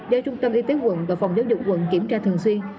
do trung tâm y tế quận và phòng giáo dục quận kiểm tra thường xuyên